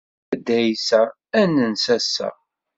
A Dda Ɛisa ad nens ass-a.